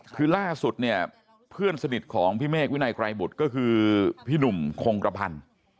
คือล่าสุดเนี่ยเพื่อนสนิทของพี่เมฆวินัยไกรบุตรก็คือพี่หนุ่มคงกระพันธ์